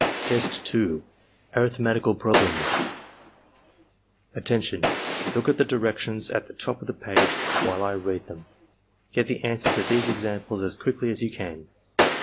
Test 2. — ^Arifhmetical Problems "Attention! Look at the directions at the top of the page while I read them. 'Get the answers to these examples as quickly as you can.